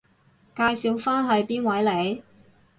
介紹返係邊位嚟？